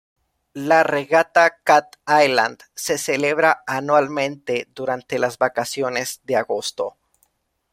La regata "Cat Island" se celebra anualmente, durante las vacaciones de agosto.